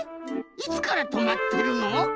いつからとまってるの？